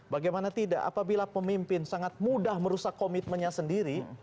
bagaimana tidak apabila pemimpin sangat mudah merusak komitmennya sendiri